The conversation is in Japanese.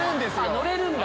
乗れるんだ！